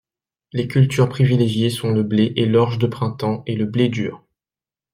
Les cultures privilégiées sont le blé et l'orge de printemps et le blé dur.